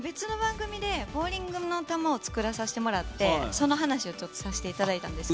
別の番組でボーリングの球を作らさせてもらって、その話をしたんですけど。